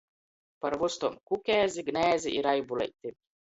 Par vystom Kukēzi, Gnēzi i Raibuleiti.